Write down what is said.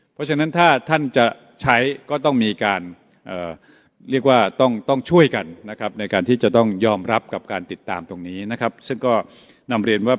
เพราะฉะนั้นถ้าท่านจะใช้ก็ต้องช่วยกัน